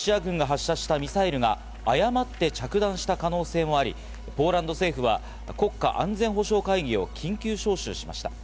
ロシア軍が発射したミサイルが誤って着弾した可能性もあり、ポーランド政府は国家安全保障会議を緊急招集しました。